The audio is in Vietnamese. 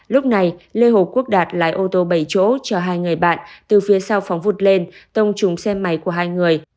lúc này lê hồ quốc đạt lái ô tô bảy chỗ cho hai người bạn từ phía sau phóng vụt lên tông trúng xe máy của hai người